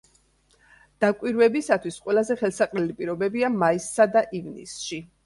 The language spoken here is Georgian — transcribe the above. დაკვირვებისათვის ყველაზე ხელსაყრელი პირობებია მაისსა და ივნისში.